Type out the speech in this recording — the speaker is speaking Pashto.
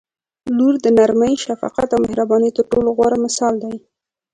• لور د نرمۍ، شفقت او مهربانۍ تر ټولو غوره مثال دی.